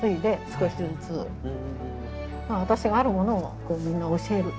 私があるものをみんな教える。